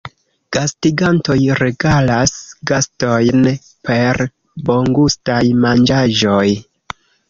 Gastigantoj regalas gastojn per bongustaj manĝaĵoj.